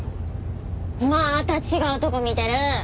まーた違うとこ見てる！